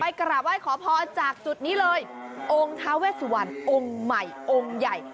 กราบไหว้ขอพรจากจุดนี้เลยองค์ท้าเวสวันองค์ใหม่องค์ใหญ่